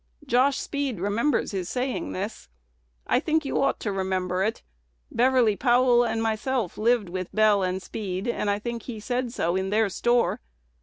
Josh Speed remembers his saying this. I think you ought to remember it. Beverly Powell and myself lived with Bell and Speed, and I think he said so in their store.